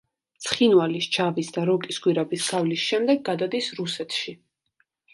ცხინვალის, ჯავის და როკის გვირაბის გავლის შემდეგ გადადის რუსეთში.